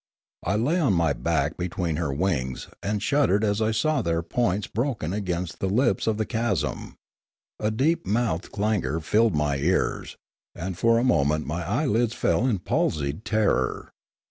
I lay on my back be tween her wings, and shuddered as I saw their points broken against the lips of the chasm. A deep mouthed clangour filled my ears; and for a moment my eyelids fell in palsied terror.